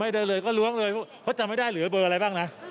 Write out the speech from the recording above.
ได้เลยก็ล้วงเลยเพราะจำไม่ได้เหลือเบอร์อะไรบ้างนะ